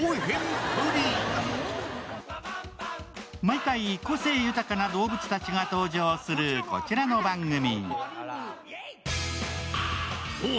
毎回、個性豊かな動物たちが登場するこちらの番組。